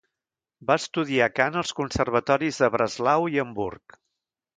Va estudiar cant als conservatoris de Breslau i Hamburg.